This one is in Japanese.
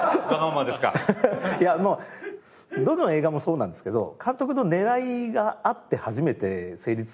いやまあどの映画もそうなんですけど監督の狙いがあって初めて成立するものなので。